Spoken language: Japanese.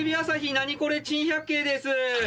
『ナニコレ珍百景』です！